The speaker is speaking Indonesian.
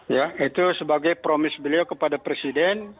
ya itu sebagai promis beliau kepada presiden